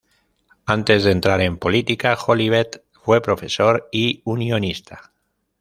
Antes de entrar en política, Jolivet fue profesor y unionista.